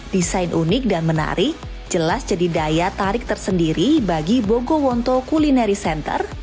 desain unik dan menarik jelas jadi daya tarik tersendiri bagi bogowonto culinary center